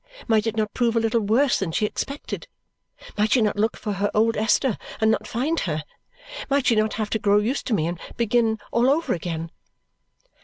Might it not prove a little worse than she expected? Might she not look for her old Esther and not find her? Might she not have to grow used to me and to begin all over again?